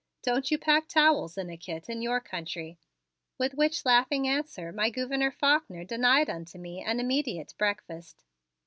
Don't you pack towels in a kit in your country?" With which laughing answer my Gouverneur Faulkner denied unto me an immediate breakfast.